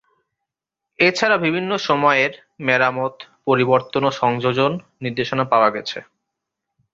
এছাড়াও বিভিন্ন সময়ের মেরামত, পরিবর্তন ও সংযোজন নিদর্শন পাওয়া গেছে।